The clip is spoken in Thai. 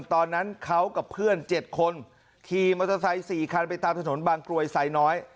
ตอนนั้นเขากับเพื่อน๗คนขี่มอเตอร์ไซค์๔คันไปตามถนนบางกรวยไซน้อย